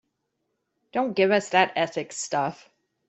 Don't give us that ethics stuff.